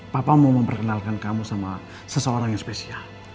papa mau memperkenalkan kamu sama seseorang yang spesial